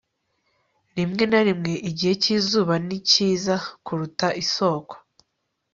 rimwe na rimwe, igihe cyizuba ni cyiza kuruta isoko